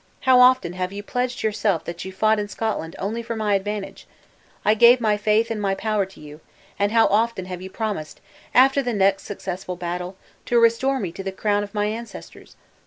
How often have you pledged yourself that you fought in Scotland only for my advantage! I gave my faith and my power to you; and how often have you promised, after the next successful battle, to restore me to the crown of my ancestors!